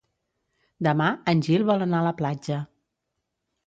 Demà en Gil vol anar a la platja.